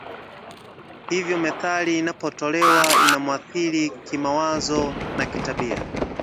Hivyo methali inapotolewa inamwathiri kimawazo na kitabia